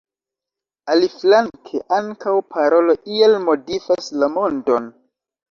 Aliflanke ankaŭ parolo iel modifas la mondon.